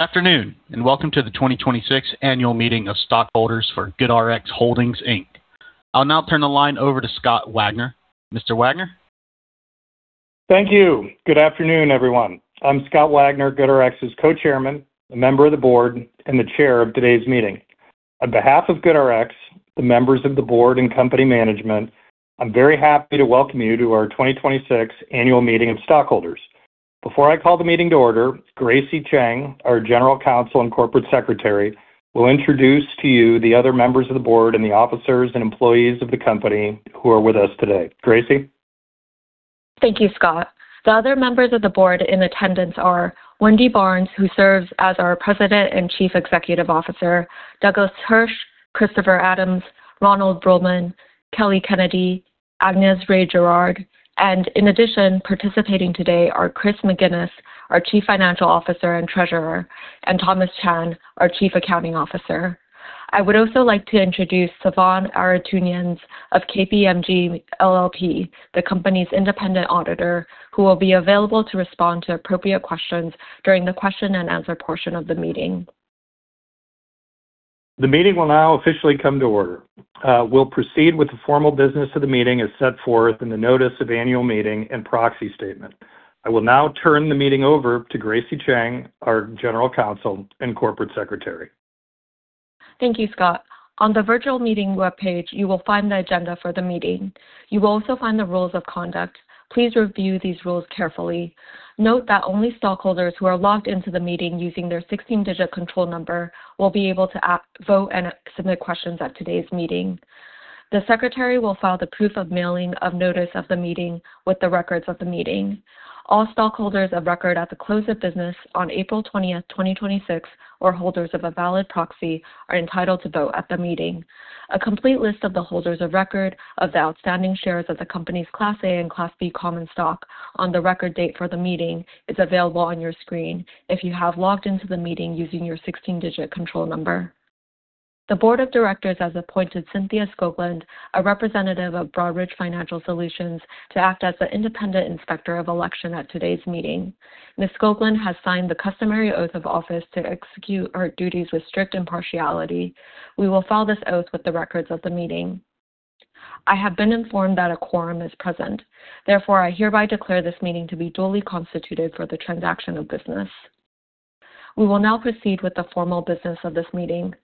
Afternoon, welcome to the 2026 annual meeting of stockholders for GoodRx Holdings, Inc. I'll now turn the line over to Scott Wagner. Mr. Wagner? Thank you. Good afternoon, everyone. I'm Scott Wagner, GoodRx's Co-Chairman, a member of the Board, and the Chair of today's meeting. On behalf of GoodRx, the members of the Board and company management, I'm very happy to welcome you to our 2026 annual meeting of stockholders. Before I call the meeting to order, Gracye Cheng, our General Counsel and Corporate Secretary, will introduce to you the other members of the Board and the officers and employees of the company who are with us today. Gracye? Thank you, Scott. The other members of the Board in attendance are Wendy Barnes, who serves as our President and Chief Executive Officer, Douglas Hirsch, Christopher Adams, Ronald Bruehlman, Kelly Kennedy, Agnes Rey-Giraud. In addition, participating today are Chris McGinnis, our Chief Financial Officer and Treasurer, and Thomas Chan, our Chief Accounting Officer. I would also like to introduce Sevan Aratunian of KPMG LLP, the company's independent auditor, who will be available to respond to appropriate questions during the question and answer portion of the meeting. The meeting will now officially come to order. We'll proceed with the formal business of the meeting as set forth in the Notice of Annual Meeting and Proxy Statement. I will now turn the meeting over to Gracye Cheng, our General Counsel and Corporate Secretary. Thank you, Scott. On the virtual meeting webpage, you will find the agenda for the meeting. You will also find the rules of conduct. Please review these rules carefully. Note that only stockholders who are logged into the meeting using their 16-digit control number will be able to vote and submit questions at today's meeting. The secretary will file the proof of mailing of notice of the meeting with the records of the meeting. All stockholders of record at the close of business on April 20th, 2026, or holders of a valid proxy, are entitled to vote at the meeting. A complete list of the holders of record of the outstanding shares of the company's Class A and Class B common stock on the record date for the meeting is available on your screen if you have logged into the meeting using your 16-digit control number. The board of directors has appointed Cynthia Skoglund, a representative of Broadridge Financial Solutions, to act as the independent inspector of election at today's meeting. Ms. Skoglund has signed the customary oath of office to execute her duties with strict impartiality. We will file this oath with the records of the meeting. I have been informed that a quorum is present. Therefore, I hereby declare this meeting to be duly constituted for the transaction of business. We will now proceed with the formal business of this meeting.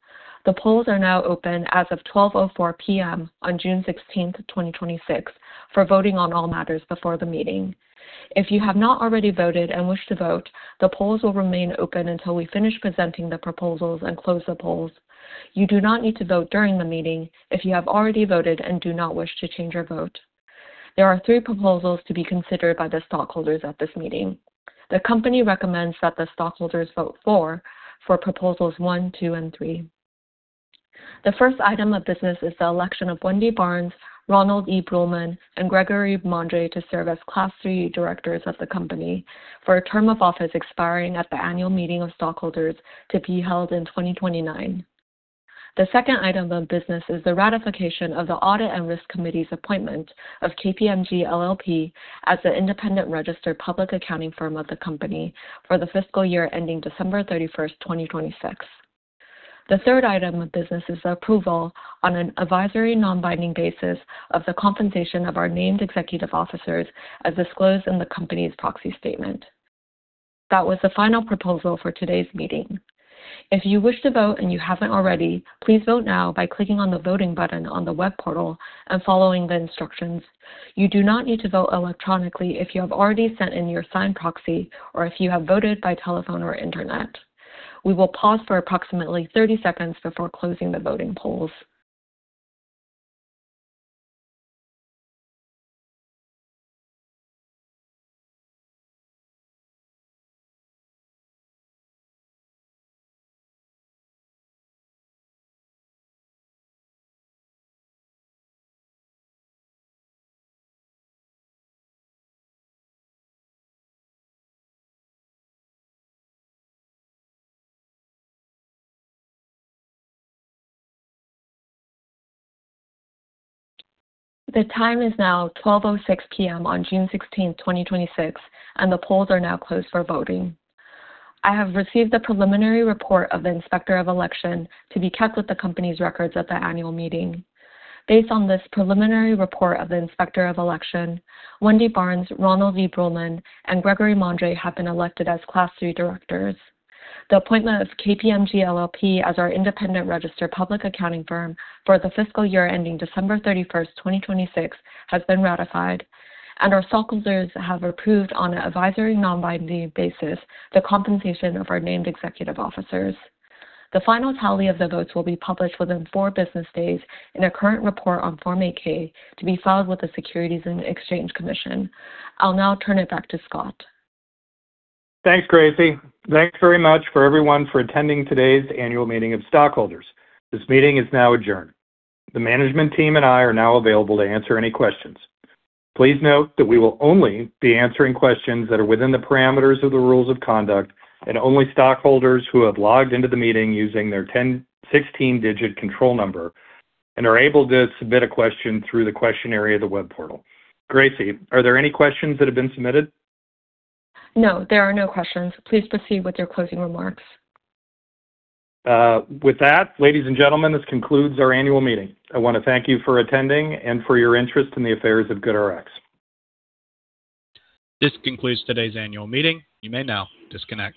The polls are now open as of 12:04 P.M. on June 16th, 2026, for voting on all matters before the meeting. If you have not already voted and wish to vote, the polls will remain open until we finish presenting the proposals and close the polls. You do not need to vote during the meeting if you have already voted and do not wish to change your vote. There are three proposals to be considered by the stockholders at this meeting. The company recommends that the stockholders vote "for" for proposals one, two, and three. The first item of business is the election of Wendy Barnes, Ronald E. Bruehlman, and Gregory Mondre to serve as Class C directors of the company for a term of office expiring at the annual meeting of stockholders to be held in 2029. The second item of business is the ratification of the Audit and Risk Committee's appointment of KPMG LLP as the independent registered public accounting firm of the company for the fiscal year ending December 31st, 2026. The third item of business is the approval on an advisory, non-binding basis of the compensation of our named executive officers as disclosed in the company's proxy statement. That was the final proposal for today's meeting. If you wish to vote and you haven't already, please vote now by clicking on the voting button on the web portal and following the instructions. You do not need to vote electronically if you have already sent in your signed proxy or if you have voted by telephone or internet. We will pause for approximately 30 seconds before closing the voting polls. The time is now 12:06 P.M. on June 16th, 2026, and the polls are now closed for voting. I have received the preliminary report of the Inspector of Election to be kept with the company's records at the annual meeting. Based on this preliminary report of the Inspector of Election, Wendy Barnes, Ronald E. Bruehlman, and Gregory Mondre have been elected as Class C directors. The appointment of KPMG LLP as our independent registered public accounting firm for the fiscal year ending December 31st, 2026, has been ratified. Our stockholders have approved on an advisory, non-binding basis the compensation of our named executive officers. The final tally of the votes will be published within four business days in a current report on Form 8-K to be filed with the Securities and Exchange Commission. I'll now turn it back to Scott. Thanks, Gracye. Thanks very much for everyone for attending today's annual meeting of stockholders. This meeting is now adjourned. The management team and I are now available to answer any questions. Please note that we will only be answering questions that are within the parameters of the rules of conduct and only stockholders who have logged into the meeting using their 16-digit control number and are able to submit a question through the questionnaire via the web portal. Gracye, are there any questions that have been submitted? No, there are no questions. Please proceed with your closing remarks. With that, ladies and gentlemen, this concludes our annual meeting. I want to thank you for attending and for your interest in the affairs of GoodRx. This concludes today's annual meeting. You may now disconnect.